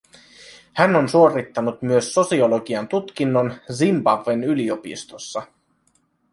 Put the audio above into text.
Hän on suorittanut myös sosiologian tutkinnon Zimbabwen yliopistossa